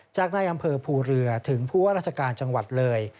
จากในอำเภอภูเรือถึงผู้ว่าราชการจังหวัดเลย